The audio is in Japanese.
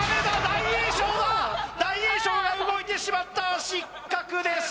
大栄翔が動いてしまった失格です・